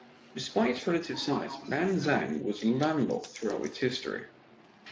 Despite its relative size, Lan Xang was landlocked throughout its history.